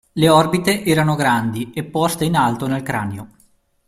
Le orbite erano grandi e poste in alto nel cranio.